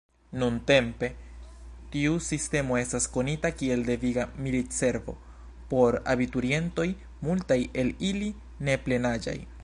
Nuntempe tiu sistemo estas konita kiel deviga militservo por abiturientoj, multaj el ili neplenaĝaj.